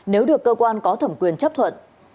nếu được cơ quan có thẩm quyền chấp thuận